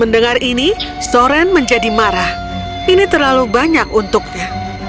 mendengar ini soren menjadi marah ini terlalu banyak untuknya